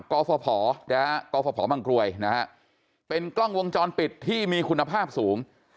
กฟภนะฮะกฟภบังกลวยนะฮะเป็นกล้องวงจรปิดที่มีคุณภาพสูง